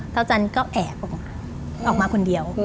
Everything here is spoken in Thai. เท้าจันก็แอบออกมาคนเดียว